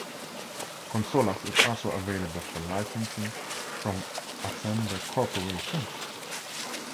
Consolas is also available for licensing from Ascender Corporation.